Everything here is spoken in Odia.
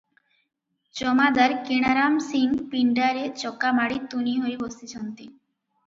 ଜମାଦାର କିଣାରାମ ସିଂ ପିଣ୍ଡାରେ ଚକାମାଡ଼ି ତୁନି ହୋଇ ବସିଛନ୍ତି ।